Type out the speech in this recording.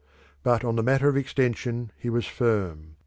But on the matter of extension he was firm.